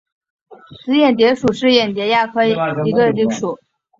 紫眼蝶属是眼蝶亚科眼蝶族黛眼蝶亚族中的一个属。